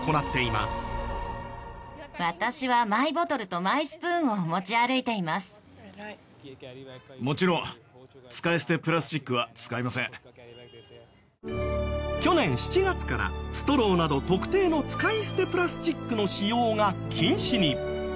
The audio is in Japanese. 私はもちろん去年７月からストローなど特定の使い捨てプラスチックの使用が禁止に。